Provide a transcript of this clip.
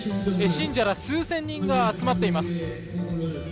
信者ら数千人が集まっています。